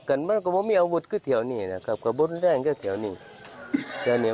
อันนั้นมันยังดิ